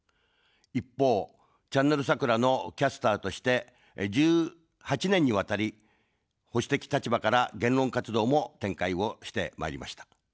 一方、チャンネル桜のキャスターとして１８年にわたり保守的立場から言論活動も展開をしてまいりました。